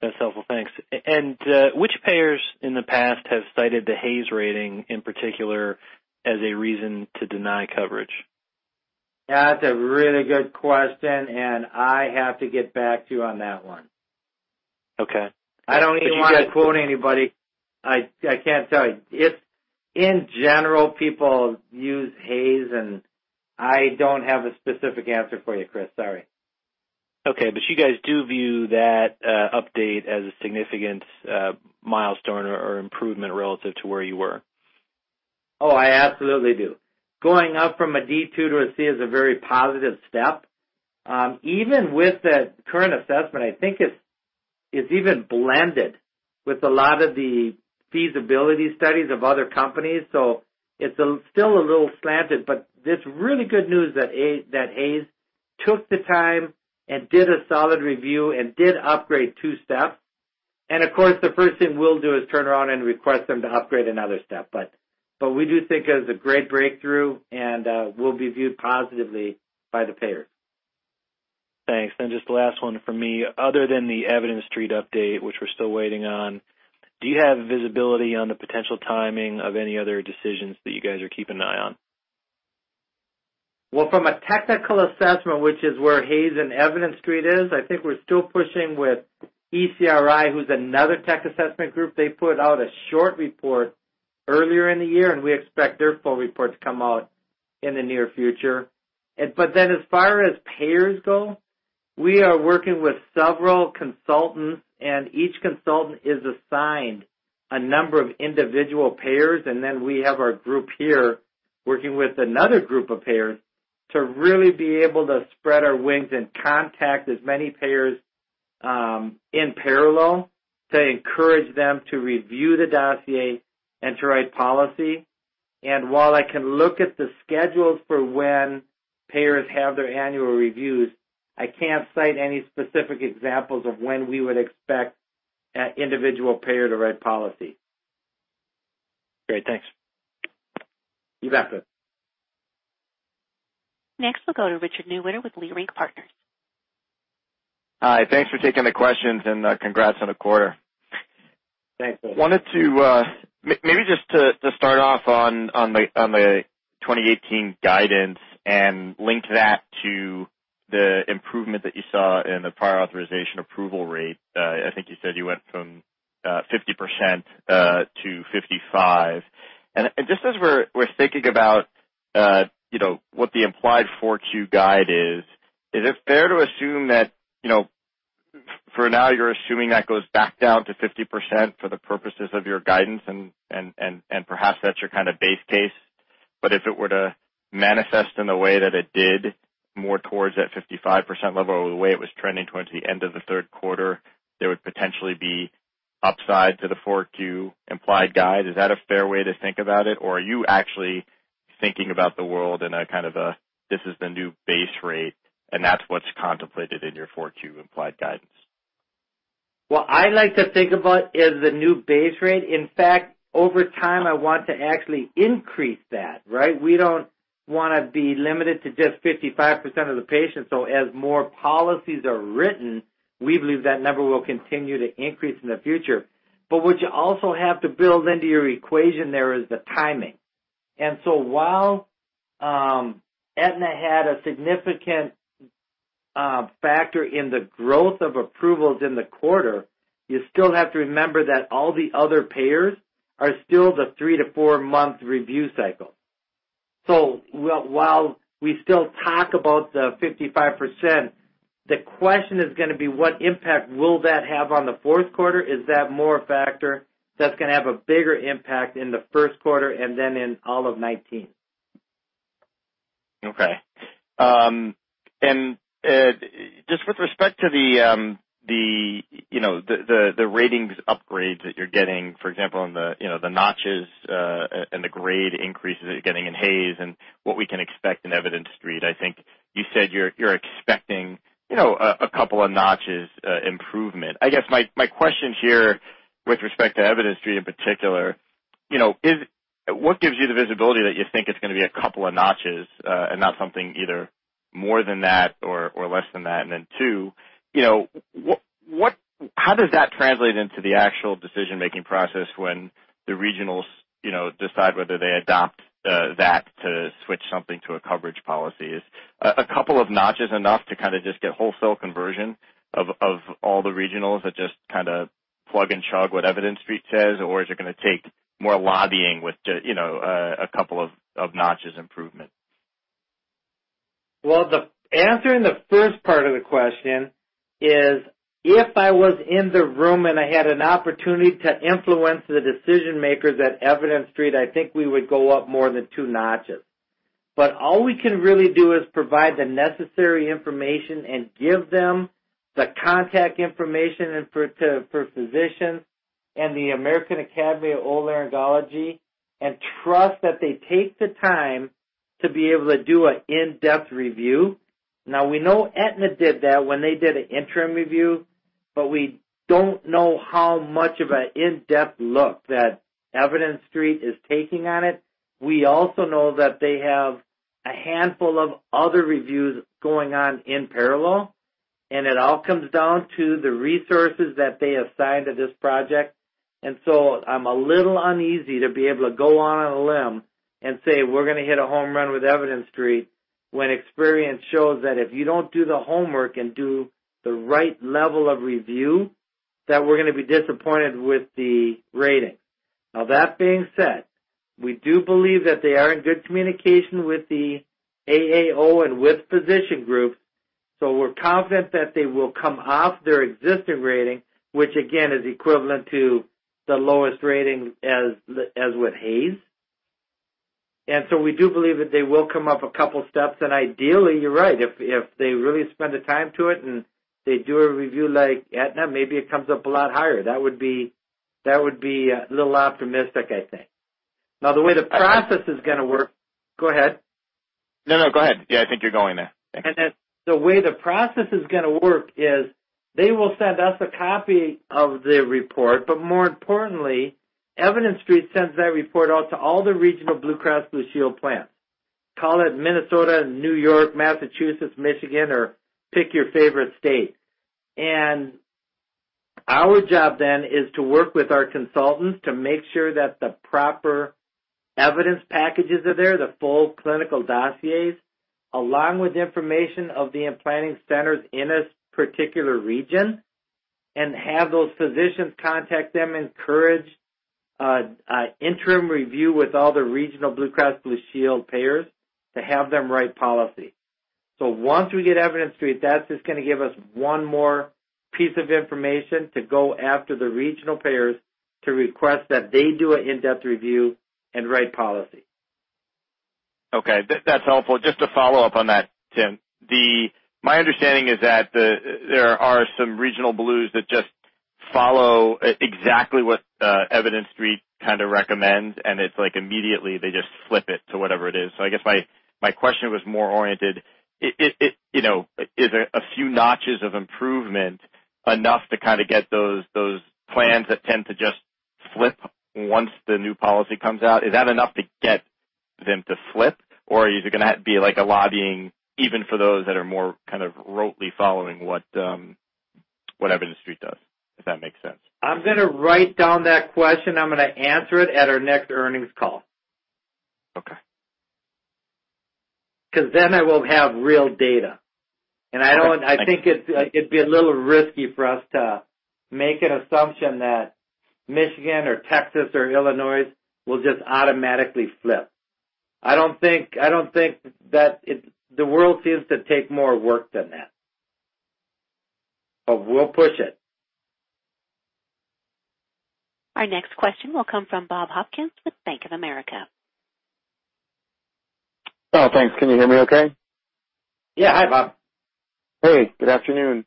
That's helpful. Thanks. Which payers in the past have cited the Hayes rating in particular as a reason to deny coverage? That's a really good question, I have to get back to you on that one. Okay. I don't even want to quote anybody. I can't tell you. In general, people use Hayes, I don't have a specific answer for you, Chris. Sorry. Okay. You guys do view that update as a significant milestone or improvement relative to where you were? Oh, I absolutely do. Going up from a D2 to a C is a very positive step. Even with the current assessment, I think it's even blended with a lot of the feasibility studies of other companies, so it's still a little slanted, but it's really good news that Hayes took the time and did a solid review and did upgrade two steps. Of course, the first thing we'll do is turn around and request them to upgrade another step. We do think it was a great breakthrough and will be viewed positively by the payer. Thanks. Just the last one from me. Other than the Evidence Street update, which we're still waiting on, do you have visibility on the potential timing of any other decisions that you guys are keeping an eye on? From a technical assessment, which is where Hayes and Evidence Street is, I think we're still pushing with ECRI, who's another tech assessment group. They put out a short report earlier in the year, we expect their full report to come out in the near future. As far as payers go, we are working with several consultants, and each consultant is assigned a number of individual payers, and then we have our group here working with another group of payers to really be able to spread our wings and contact as many payers in parallel to encourage them to review the dossier and to write policy. While I can look at the schedules for when payers have their annual reviews, I can't cite any specific examples of when we would expect an individual payer to write policy. Great. Thanks. You betcha. Next, we'll go to Richard Newitter with Leerink Partners. Hi. Thanks for taking the questions and congrats on the quarter. Thanks. I wanted to, maybe just to start off on the 2018 guidance and link that to the improvement that you saw in the prior authorization approval rate. I think you said you went from 50% to 55%. Just as we're thinking about what the implied 4Q guide is it fair to assume that for now you're assuming that goes back down to 50% for the purposes of your guidance and perhaps that's your kind of base case? If it were to manifest in the way that it did more towards that 55% level or the way it was trending towards the end of the third quarter, there would potentially be upside to the 4Q implied guide. Is that a fair way to think about it? Are you actually thinking about the world in a kind of a this is the new base rate, and that's what's contemplated in your 4Q implied guidance? What I like to think about is the new base rate. In fact, over time, I want to actually increase that, right? We don't want to be limited to just 55% of the patients. As more policies are written, we believe that number will continue to increase in the future. What you also have to build into your equation there is the timing. While Aetna had a significant factor in the growth of approvals in the quarter, you still have to remember that all the other payers are still the three-to-four-month review cycle. While we still talk about the 55%, the question is going to be what impact will that have on the fourth quarter? Is that more a factor that's going to have a bigger impact in the first quarter and then in all of 2019? Okay. Just with respect to the ratings upgrades that you're getting, for example, on the notches, and the grade increases you're getting in Hayes and what we can expect in Evidence Street, I think you said you're expecting a couple of notches improvement. I guess my question here with respect to Evidence Street in particular, what gives you the visibility that you think it's going to be a couple of notches, and not something either more than that or less than that? Then two, how does that translate into the actual decision-making process when the regionals decide whether they adopt that to switch something to a coverage policy? Is a couple of notches enough to kind of just get wholesale conversion of all the regionals that just kind of plug and chug what Evidence Street says? Is it going to take more lobbying with a couple of notches improvement? Well, the answer in the first part of the question is, if I was in the room and I had an opportunity to influence the decision-makers at Evidence Street, I think we would go up more than two notches. All we can really do is provide the necessary information and give them the contact information for physicians and the American Academy of Otolaryngology and trust that they take the time to be able to do an in-depth review. We know Aetna did that when they did an interim review, but we don't know how much of an in-depth look that Evidence Street is taking on it. We also know that they have a handful of other reviews going on in parallel, and it all comes down to the resources that they assigned to this project. I'm a little uneasy to be able to go on a limb and say we're going to hit a home run with Evidence Street when experience shows that if you don't do the homework and do the right level of review, that we're going to be disappointed with the rating. Now, that being said, we do believe that they are in good communication with the AAO and with physician groups, so we're confident that they will come off their existing rating, which again, is equivalent to the lowest rating as with Hayes. We do believe that they will come up a couple steps, and ideally, you're right. If they really spend the time to it and they do a review like Aetna, maybe it comes up a lot higher. That would be a little optimistic, I think. Now, the way the process is going to work. Go ahead. No, go ahead. Yeah, I think you're going there. Thanks. The way the process is going to work is they will send us a copy of the report, but more importantly, Evidence Street sends that report out to all the regional Blue Cross Blue Shield plans. Call it Minnesota, New York, Massachusetts, Michigan, or pick your favorite state. Our job then is to work with our consultants to make sure that the proper evidence packages are there, the full clinical dossiers, along with information of the implanting centers in a particular region, and have those physicians contact them, encourage interim review with all the regional Blue Cross Blue Shield payers to have them write policy. Once we get Evidence Street, that's just going to give us one more piece of information to go after the regional payers to request that they do an in-depth review and write policy. Okay. That's helpful. Just to follow up on that, Tim, my understanding is that there are some regional Blues that just follow exactly what Evidence Street kind of recommends, and it's like immediately they just flip it to whatever it is. I guess my question was more oriented, is a few notches of improvement enough to get those plans that tend to just flip once the new policy comes out? Is that enough to get them to flip? Or is it going to be like a lobbying, even for those that are more kind of rotely following what Evidence Street does? If that makes sense. I'm going to write down that question. I'm going to answer it at our next earnings call. Okay. I will have real data. Okay. I think it'd be a little risky for us to make an assumption that Michigan or Texas or Illinois will just automatically flip. The world seems to take more work than that. We'll push it. Our next question will come from Bob Hopkins with Bank of America. Thanks. Can you hear me okay? Yeah. Hi, Bob. Hey, good afternoon.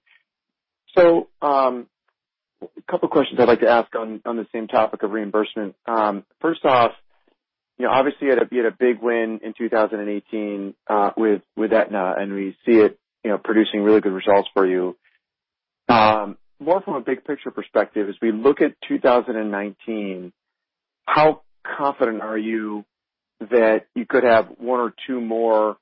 Couple of questions I'd like to ask on the same topic of reimbursement. First off, obviously it had been a big win in 2018, with Aetna, and we see it producing really good results for you. More from a big picture perspective, as we look at 2019, how confident are you that you could have one or two more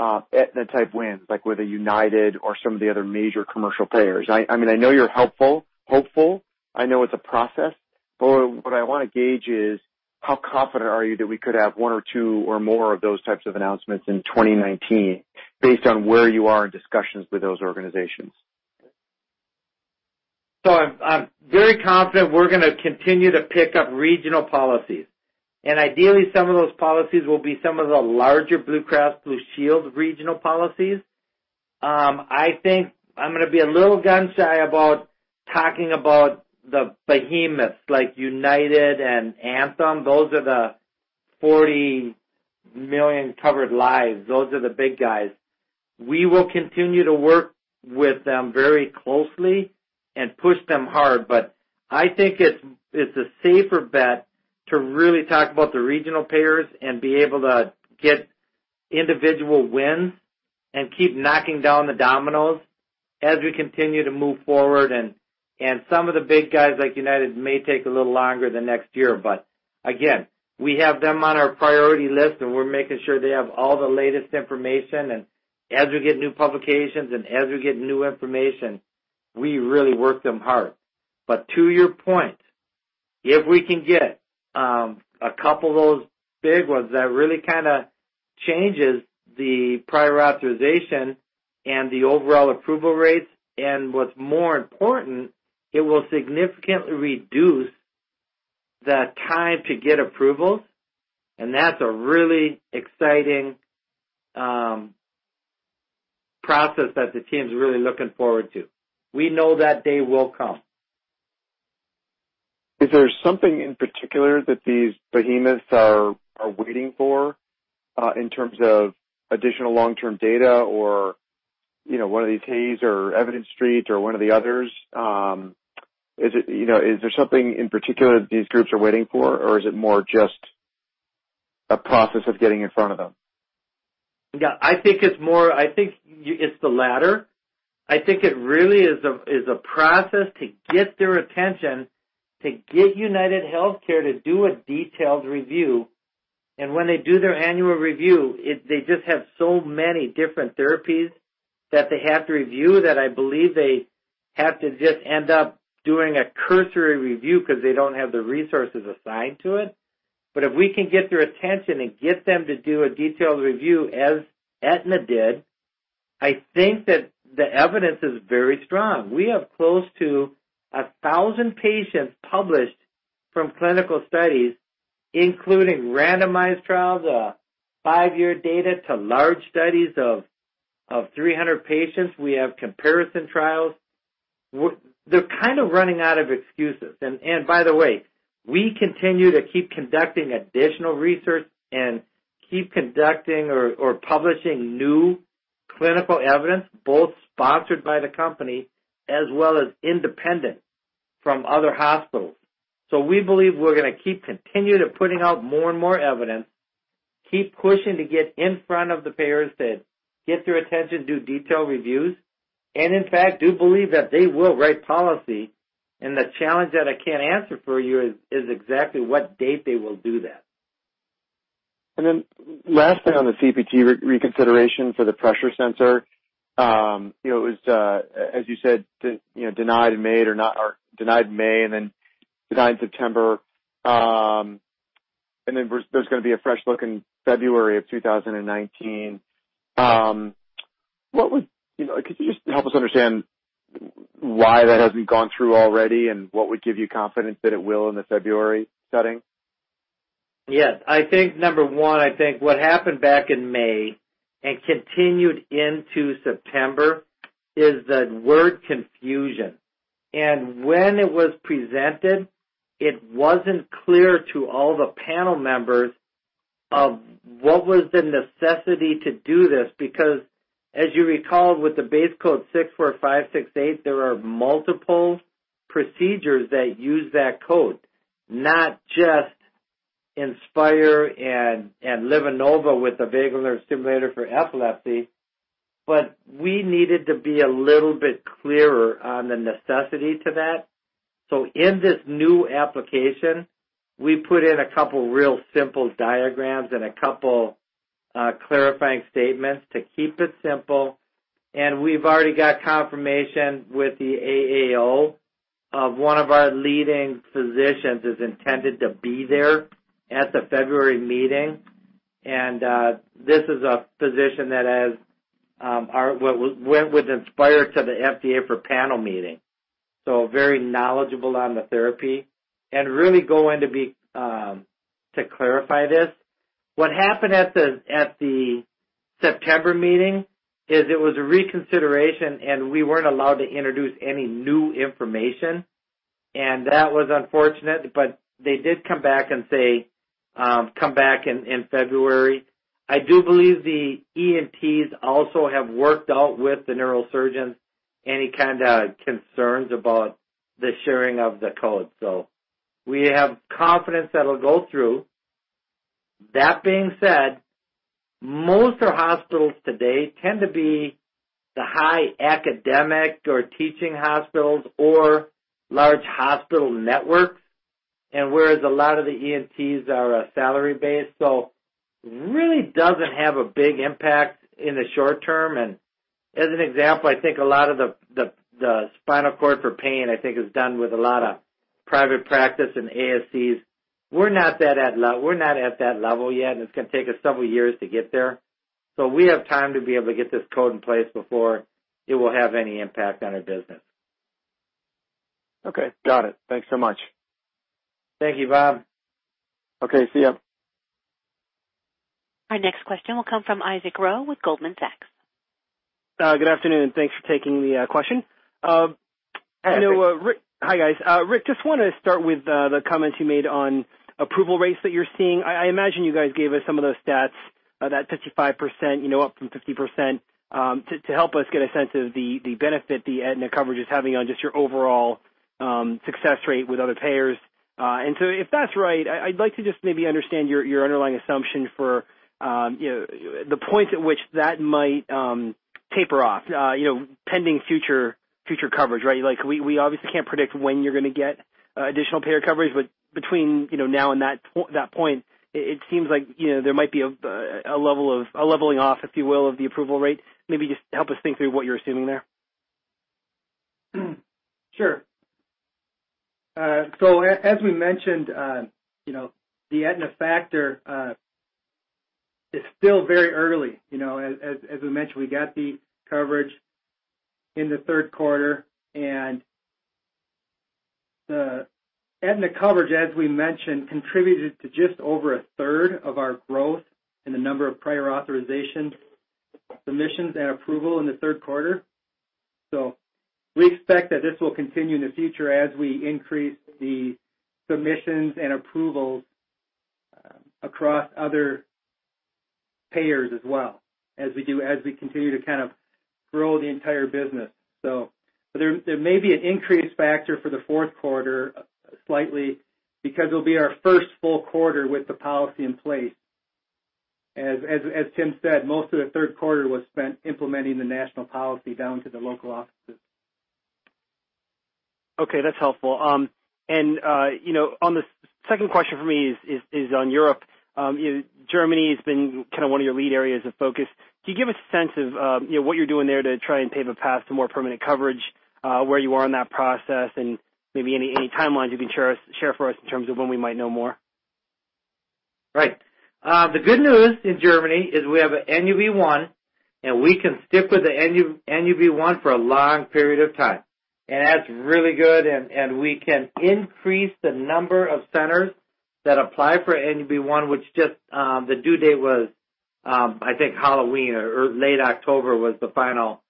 Aetna-type wins, like with a United or some of the other major commercial payers? I know you're hopeful. I know it's a process, but what I want to gauge is how confident are you that we could have one or two or more of those types of announcements in 2019 based on where you are in discussions with those organizations? I'm very confident we're going to continue to pick up regional policies. Ideally, some of those policies will be some of the larger Blue Cross Blue Shield regional policies. I think I'm going to be a little gun shy about talking about the behemoths like United and Anthem. Those are the 40 million covered lives. Those are the big guys. We will continue to work with them very closely and push them hard. I think it's a safer bet to really talk about the regional payers and be able to get individual wins and keep knocking down the dominoes as we continue to move forward. Some of the big guys like United may take a little longer than next year, again, we have them on our priority list, and we're making sure they have all the latest information. As we get new publications and as we get new information, we really work them hard. To your point, if we can get a couple of those big ones that really kind of changes the prior authorization and the overall approval rates, what's more important, it will significantly reduce the time to get approvals, and that's a really exciting process that the team's really looking forward to. We know that day will come. Is there something in particular that these behemoths are waiting for, in terms of additional long-term data or one of these Hayes or Evidence Street or one of the others? Is there something in particular these groups are waiting for, or is it more just a process of getting in front of them? Yeah, I think it's the latter. I think it really is a process to get their attention, to get UnitedHealthcare to do a detailed review. When they do their annual review, they just have so many different therapies that they have to review that I believe they have to just end up doing a cursory review because they don't have the resources assigned to it. If we can get their attention and get them to do a detailed review as Aetna did, I think that the evidence is very strong. We have close to 1,000 patients published from clinical studies, including randomized trials, five-year data to large studies of 300 patients. We have comparison trials. They're kind of running out of excuses. By the way, we continue to keep conducting additional research and keep conducting or publishing new clinical evidence, both sponsored by the company as well as independent from other hospitals. We believe we're going to keep continuing putting out more and more evidence, keep pushing to get in front of the payers to get their attention, do detailed reviews, and in fact, do believe that they will write policy. The challenge that I can't answer for you is exactly what date they will do that. Last thing on the CPT reconsideration for the pressure sensor. As you said, denied in May, denied in September. There's going to be a fresh look in February of 2019. Could you just help us understand why that hasn't gone through already, and what would give you confidence that it will in the February setting? Yes. I think number one, I think what happened back in May and continued into September is the word confusion. When it was presented, it wasn't clear to all the panel members of what was the necessity to do this, because as you recall, with the base code 64568, there are multiple procedures that use that code, not just Inspire and LivaNova with the vagus nerve stimulator for epilepsy, but we needed to be a little bit clearer on the necessity to that. In this new application, we put in a couple real simple diagrams and a couple clarifying statements to keep it simple, and we've already got confirmation with the AAO of one of our leading physicians is intended to be there at the February meeting. This is a physician that went with Inspire to the FDA for a panel meeting. Very knowledgeable on the therapy and really going to clarify this. What happened at the September meeting is it was a reconsideration, we weren't allowed to introduce any new information, that was unfortunate. They did come back and say, "Come back in February." I do believe the ENTs also have worked out with the neurosurgeons any kind of concerns about the sharing of the code. We have confidence that'll go through. That being said, most of our hospitals today tend to be the high academic or teaching hospitals or large hospital networks, whereas a lot of the ENTs are salary-based, really doesn't have a big impact in the short term. As an example, I think a lot of the spinal cord for pain, I think is done with a lot of private practice and ASCs. We're not at that level yet, it's going to take us several years to get there. We have time to be able to get this code in place before it will have any impact on our business. Okay. Got it. Thanks so much. Thank you, Bob. Okay. See you. Our next question will come from Isaac Ro with Goldman Sachs. Good afternoon. Thanks for taking the question. Hi. Hi, guys. Rick, just want to start with the comments you made on approval rates that you're seeing. I imagine you guys gave us some of those stats, that 55%, up from 50%, to help us get a sense of the benefit the Aetna coverage is having on just your overall success rate with other payers. If that's right, I'd like to just maybe understand your underlying assumption for the point at which that might taper off pending future coverage, right? We obviously can't predict when you're going to get additional payer coverage, but between now and that point, it seems like there might be a leveling off, if you will, of the approval rate. Maybe just help us think through what you're assuming there. Sure. As we mentioned, the Aetna factor is still very early. As we mentioned, we got the coverage in the third quarter. The Aetna coverage, as we mentioned, contributed to just over a third of our growth in the number of prior authorization submissions and approval in the third quarter. We expect that this will continue in the future as we increase the submissions and approvals across other payers as well, as we continue to kind of grow the entire business. There may be an increase factor for the fourth quarter slightly because it'll be our first full quarter with the policy in place. As Tim Herbert said, most of the third quarter was spent implementing the national policy down to the local offices. Okay, that's helpful. The second question for me is on Europe. Germany has been kind of one of your lead areas of focus. Can you give a sense of what you're doing there to try and pave a path to more permanent coverage, where you are in that process, and maybe any timelines you can share for us in terms of when we might know more? The good news in Germany is we have a NUB1. We can stick with the NUB1 for a long period of time, and that's really good. We can increase the number of centers that apply for NUB1. The due date was, I think, Halloween or late October was the final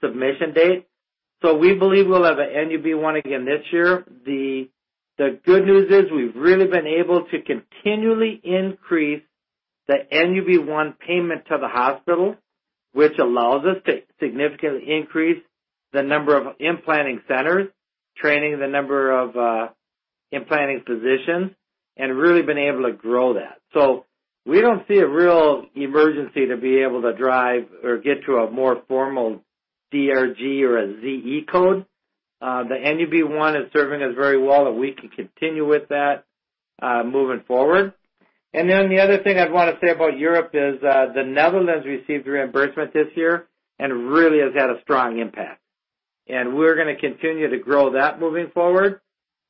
submission date. We believe we'll have an NUB1 again this year. The good news is we've really been able to continually increase the NUB1 payment to the hospital, which allows us to significantly increase the number of implanting centers, training the number of implanting physicians, and really been able to grow that. We don't see a real emergency to be able to drive or get to a more formal DRG or a ZE code. The NUB1 is serving us very well, and we can continue with that moving forward. The other thing I'd want to say about Europe is, the Netherlands received reimbursement this year and really has had a strong impact. We're going to continue to grow that moving forward,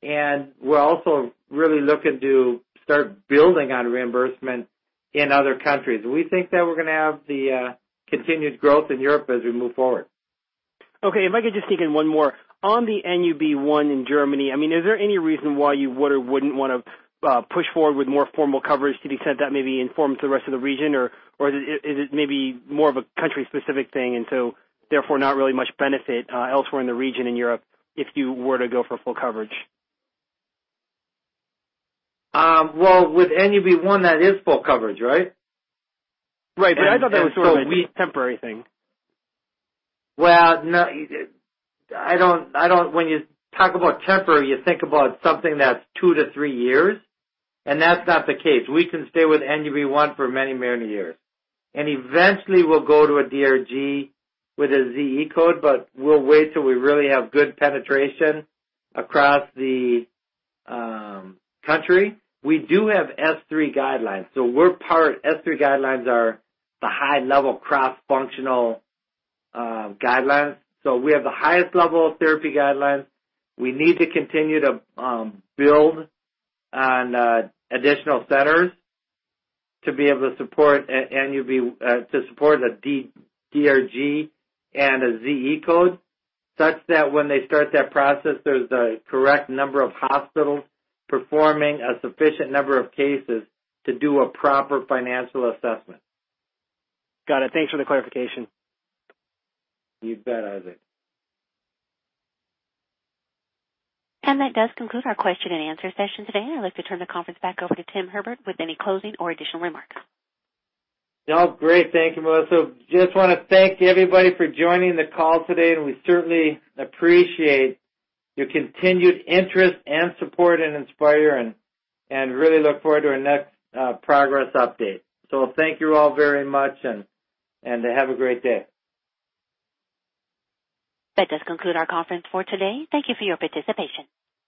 and we're also really looking to start building on reimbursement in other countries. We think that we're going to have the continued growth in Europe as we move forward. Okay. If I could just sneak in one more. On the NUB1 in Germany, is there any reason why you would or wouldn't want to push forward with more formal coverage to the extent that may be informed to the rest of the region? Is it maybe more of a country-specific thing and so therefore not really much benefit elsewhere in the region, in Europe, if you were to go for full coverage? Well, with NUB1, that is full coverage, right? Right. I thought that was sort of a temporary thing. Well, when you talk about temporary, you think about something that's 2-3 years, and that's not the case. Eventually, we'll go to a DRG with a ZE code, but we'll wait till we really have good penetration across the country. We do have S3 guidelines. S3 guidelines are the high-level cross-functional guidelines. We have the highest level of therapy guidelines. We need to continue to build on additional centers to be able to support a DRG and a ZE code, such that when they start that process, there's the correct number of hospitals performing a sufficient number of cases to do a proper financial assessment. Got it. Thanks for the clarification. You bet, Isaac. That does conclude our question and answer session today. I'd like to turn the conference back over to Tim Herbert with any closing or additional remarks. No, great. Thank you, Melissa. Just want to thank everybody for joining the call today, and we certainly appreciate your continued interest and support in Inspire, and really look forward to our next progress update. Thank you all very much, and have a great day. That does conclude our conference for today. Thank you for your participation.